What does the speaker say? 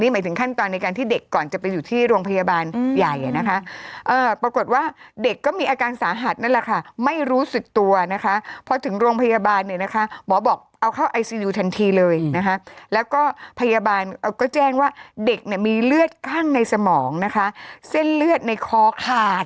ไม่รู้สิทธิ์ตัวนะคะพอถึงโรงพยาบาลเนี่ยนะคะหมอบอกเอาเข้าไอซียูทันทีเลยนะคะแล้วก็พยาบาลก็แจ้งว่าเด็กเนี่ยมีเลือดข้างในสมองนะคะเส้นเลือดในคอขาด